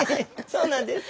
そうなんです。